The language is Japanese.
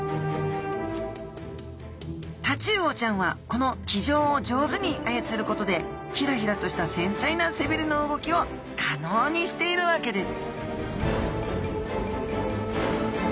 タチウオちゃんはこの鰭条を上手にあやつることでヒラヒラとした繊細な背びれの動きを可能にしているわけです